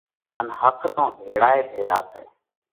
ان ۿک تو ڀِيۯا ئي ڀيۯا سئہ۔